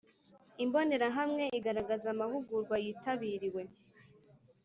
Imbonerahamwe igaragaza amahugurwa yitabiriwe